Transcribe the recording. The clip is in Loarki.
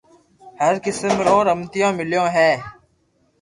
هر قسم رو رمتون ملو هي